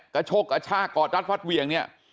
กระโชกกระชากอดรัฐพรรดิเวียงเนี่ย